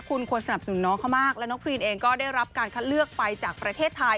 คุณควรสนับสนุนน้องเขามากแล้วน้องครีนเองก็ได้รับการคัดเลือกไปจากประเทศไทย